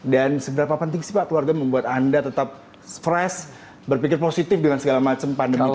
dan seberapa penting sih pak keluarga membuat anda tetap fresh berpikir positif dengan segala macam pandemi tadi itu